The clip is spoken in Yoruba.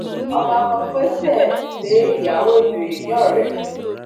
Ọba kan gbésẹ̀ lé ìyàwó ìjòyè ní Ọ̀rẹ̀.